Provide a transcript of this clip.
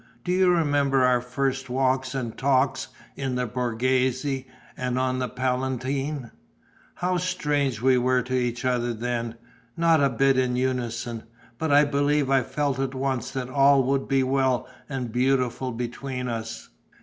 Do you remember our first walks and talks in the Borghese and on the Palatine? How strange we were to each other then, not a bit in unison. But I believe I felt at once that all would be well and beautiful between us...."